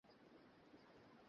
সেই ঘুম ফিরিয়ে দে।